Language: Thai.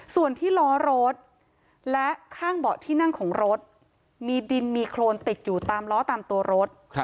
ส่วนที่ล้อรถและข้างเบาะที่นั่งของรถมีดินมีโครนติดอยู่ตามล้อตามตัวรถ